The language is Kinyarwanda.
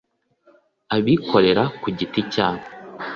abikorera ku giti cyabo